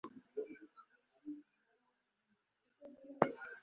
cyangwa wenda kora ipantaro yanjye ikabutura yo kwambara mugihe cy'ubushyuhe